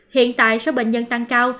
hiện tại số bệnh nhân tăng cao